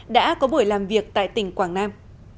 đã có buổi làm việc tại tỉnh quảng nam